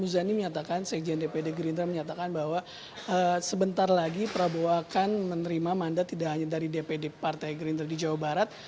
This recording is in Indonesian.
muzani menyatakan sekjen dpd gerindra menyatakan bahwa sebentar lagi prabowo akan menerima mandat tidak hanya dari dpd partai gerindra di jawa barat